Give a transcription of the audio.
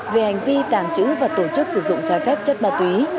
về hành vi tàng trữ và tổ chức sử dụng trái phép chất ma túy